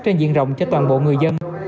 trên diện rộng cho toàn bộ người dân